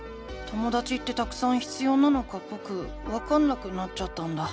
ともだちってたくさん必要なのかぼくわかんなくなっちゃったんだ。